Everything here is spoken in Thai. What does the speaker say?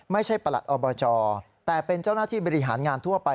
ประหลัดอบจแต่เป็นเจ้าหน้าที่บริหารงานทั่วไป